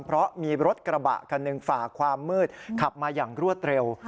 เพราะมีรถกระบะคันหนึ่งฝ่าความมืดขับมาอย่างรวดเร็ว